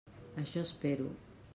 Això espero.